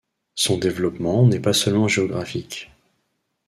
Son développement n'est pas seulement géographique.